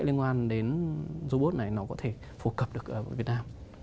liên quan đến robot này nó có thể phổ cập được việt nam